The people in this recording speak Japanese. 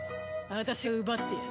私が奪ってやる。